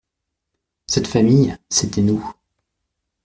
Cette famille, c'était nous.